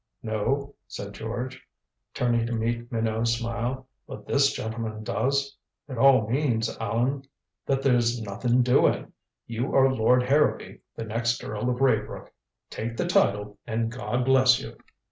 "No," said George, turning to meet Minot's smile, "but this gentleman does. It all means, Allan, that there's nothing doing. You are Lord Harrowby, the next Earl of Raybrook. Take the title, and God bless you."